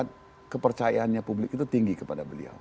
karena kepercayaannya publik itu tinggi kepada beliau